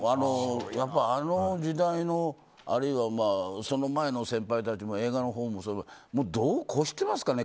あの時代のあるいはその前の先輩たちも映画のほうもそうだけど度を越してますからね。